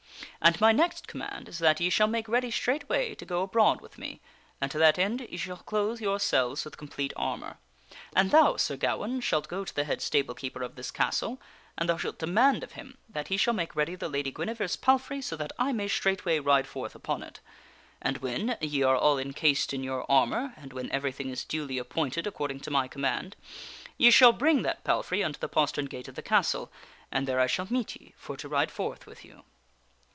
And my next command is that ye shall make ready straightway to go abroad with me, and to that end ye shall clothe yourselves with complete armor. And thou, Sir Ga waine, shalt go to the head stable keeper of this castle, and thou shalt demand of him that he shall make ready the Lady Guinevere's palfrey so that I may straightway ride forth upon it. And when ye are all encased in your armor, and when everything is duly appointed accord ing to my command, ye shall bring that palfrey unto the postern gate of the castle, and there I shall meet ye for to ride forth with you."